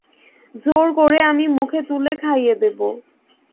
জোর করে আমি মুখে তুলে খাইয়ে দেব।